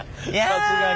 さすがに。